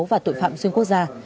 và tội phạm xuyên quốc gia